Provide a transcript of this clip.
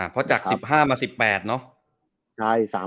เพราะจาก๑๕มา๑๘เนอะ